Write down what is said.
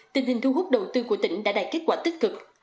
tình hình thu hút đầu tư của tỉnh đã đạt kết quả tích cực